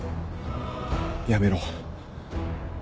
やめろ。